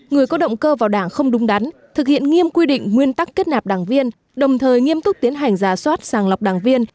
người có động cơ vào đảng không đúng đắn thực hiện nghiêm quy định nguyên tắc kết nạp đảng viên đồng thời nghiêm túc tiến hành giả soát sàng lọc đảng viên